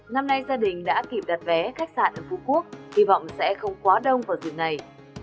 năm nay gia đình đã kịp đặt vé khách sạn ở phú quốc hy vọng sẽ không quá đông vào dịp này